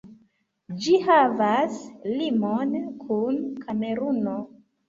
Ĝi havas limon kun Kameruno.